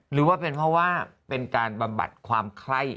หรือว่าเป็นเพราะว่าเป็นการบำบัดความไข้